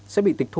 sẽ bị tịch thu